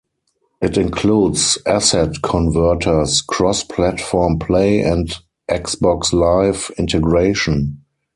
It includes asset converters, cross-platform play and Xbox Live integration.